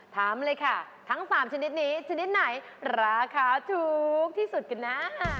ทำเลยค่ะทั้ง๓ชิ้นนี้ชิ้นนี้ไหนราคาถูกที่สุดกันนะ